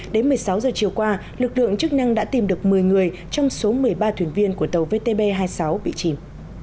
đến một mươi sáu giờ chiều qua lực lượng chức năng đã tìm được một mươi người trong số một mươi ba thuyền viên của tàu vtb hai mươi sáu bị chìm